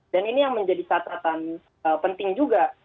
dan ini yang menjadi catatan penting juga